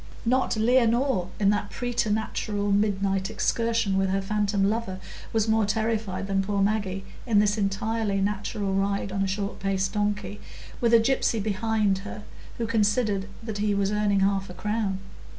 Not Leonore, in that preternatural midnight excursion with her phantom lover, was more terrified than poor Maggie in this entirely natural ride on a short paced donkey, with a gypsy behind her, who considered that he was earning half a crown.